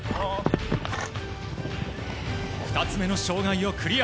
２つ目の障害をクリア。